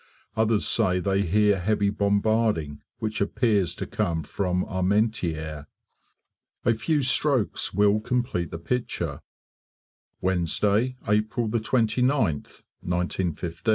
Others say they hear heavy bombarding which appears to come from Armentieres. A few strokes will complete the picture: Wednesday, April 29th*, 1915.